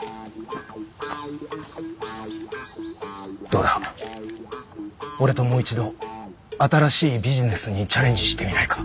どうだ俺ともう一度新しいビジネスにチャレンジしてみないか？